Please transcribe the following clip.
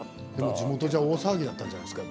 地元じゃ大騒ぎだったんじゃないですか？